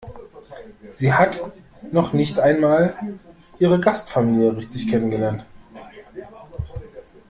Sie hat noch nicht einmal ihre Gastfamilie richtig kennengelernt.